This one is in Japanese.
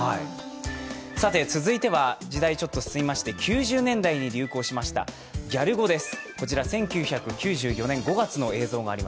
続いては時代進みまして９０年代に流行しましたギャル語です。